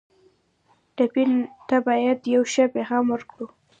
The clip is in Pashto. ټپي ته باید یو ښه پیغام ورکړو.